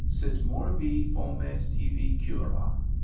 SIT MORBI FOMES TIBI CURA.